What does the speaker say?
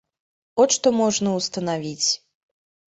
От што можна ўстанавіць.